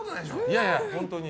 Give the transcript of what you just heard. いやいや、本当に。